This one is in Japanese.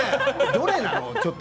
どれなの？